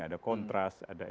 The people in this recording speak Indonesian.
ada kontras ada ltt